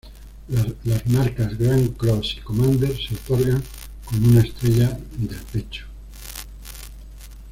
Las marcas Grand Cross y Commander se otorgan con una estrella del pecho.